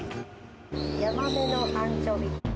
ヤマメのアンチョビ。